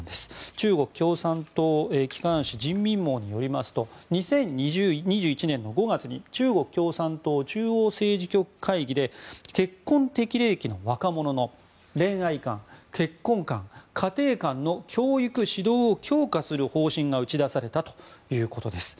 中国共産党機関紙人民網によりますと２０２１年の５月に中国共産党中央政治局会議で結婚適齢期の若者の恋愛観、結婚観、家庭観の教育・指導を強化する方針が打ち出されたということです。